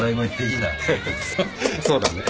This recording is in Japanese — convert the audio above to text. そうだね。